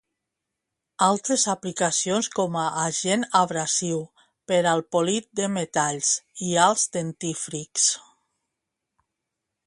Altres aplicacions com a agent abrasiu: per al polit de metalls, i als dentífrics.